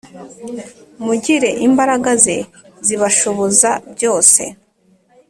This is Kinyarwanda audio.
mugire imbaraga ze zibashoboza byose.